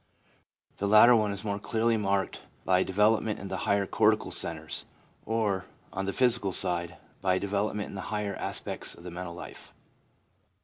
The latter one is more clearly marked by development in the higher cortical centres ; or, on the psychical side, by a development in the higher aspects of the mental life.